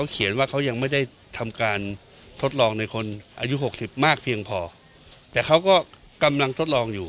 เขียนว่าเขายังไม่ได้ทำการทดลองในคนอายุ๖๐มากเพียงพอแต่เขาก็กำลังทดลองอยู่